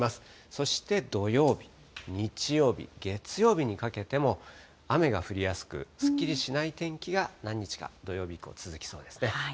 そして土曜日、日曜日、月曜日にかけても雨が降りやすく、すっきりしない天気が何日か、土曜日以降、続きそうですね。